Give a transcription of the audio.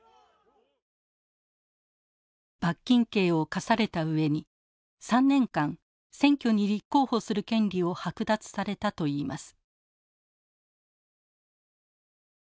罰金刑を科された上に３年間選挙に立候補する権利を剥奪されたといいます。